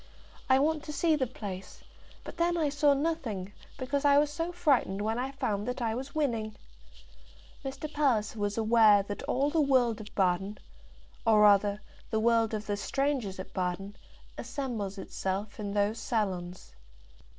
I want to see the place; but then I saw nothing, because I was so frightened when I found that I was winning." Mr. Palliser was aware that all the world of Baden, or rather the world of the strangers at Baden, assembles itself in those salons.